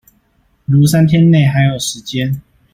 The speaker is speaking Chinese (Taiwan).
如三天内還有時間